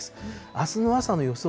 あすの朝の予想